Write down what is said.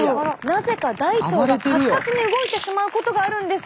なぜか大腸が活発に動いてしまうことがあるんです！